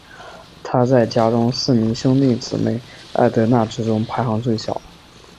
她在家中四名兄弟姊妹艾德娜之中排行最小。